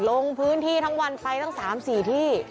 ลงพื้นที่ทั้งวันไปตั้ง๓๔ที่